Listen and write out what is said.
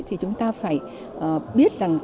thì chúng ta phải biết rằng